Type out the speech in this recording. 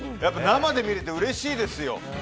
生で見られてうれしいですよ。